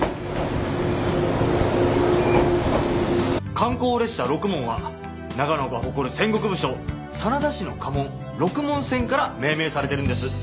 観光列車ろくもんは長野が誇る戦国武将真田氏の家紋六文銭から命名されているんです。